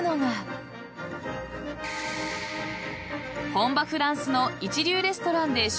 ［本場フランスの一流レストランで修業を積み］